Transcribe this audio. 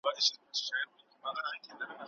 که پیغام په لاس لیکل سوی وي نو مینه پکې نغښتې وي.